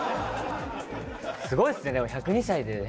すごいっすねでも１０２歳で。